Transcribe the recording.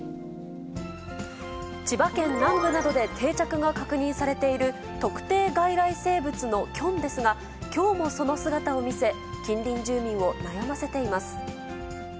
千葉県南部などで定着が確認されている、特定外来生物のキョンですが、きょうもその姿を見せ、近隣住民を悩ませています。